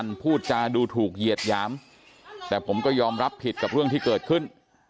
ตรงนั้นเดี๋ยวค่อยว่ากันอีกทีนึง